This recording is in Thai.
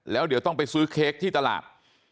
แล้วเดี๋ยวต้องไปซื้อเค้กที่ตลาด